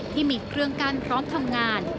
ที่มีเครื่องกั้นพร้อมทำงาน